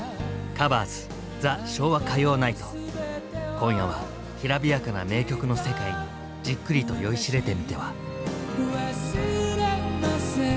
今夜はきらびやかな名曲の世界にじっくりと酔いしれてみては。